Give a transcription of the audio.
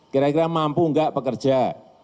kira kira mampu nggak pekerja